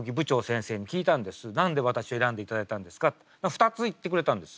２つ言ってくれたんです。